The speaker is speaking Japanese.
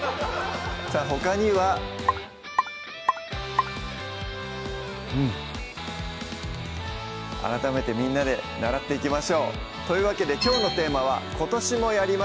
さぁほかにはうん改めてみんなで習っていきましょうというわけできょうのテーマは今年もやります